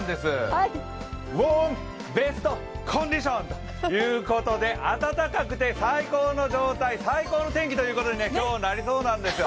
ウォーム・ベスト・コンディションということで暖かくて最高の状態、最高の天気ということに今日はなりそうなんですよ。